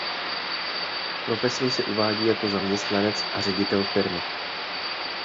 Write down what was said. Profesně se uvádí jako zaměstnanec a ředitel firmy.